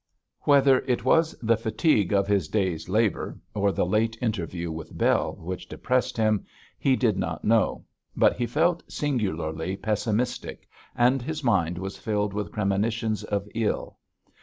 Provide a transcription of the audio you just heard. Whether it was the fatigue of his day's labour, or the late interview with Bell which depressed him, he did not know, but he felt singularly pessimistic and his mind was filled with premonitions of ill.